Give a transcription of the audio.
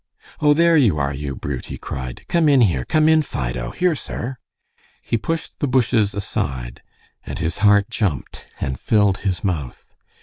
"Oh, there you are, you brute," he cried, "come in here. Come in, Fido. Here, sir!" He pushed the bushes aside, and his heart jumped and filled his mouth.